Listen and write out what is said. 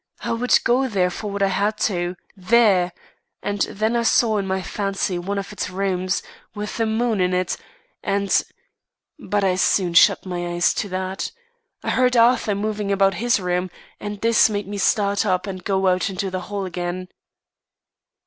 I would go there for what I had to do; there! And then I saw in my fancy one of its rooms, with the moon in it, and but I soon shut my eyes to that. I heard Arthur moving about his room, and this made me start up and go out into the hall again."